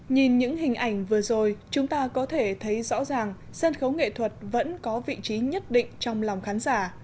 nhìn những hình ảnh vừa rồi chúng ta có thể thấy rõ ràng sân khấu nghệ thuật vẫn có vị trí nhất định trong lòng khán giả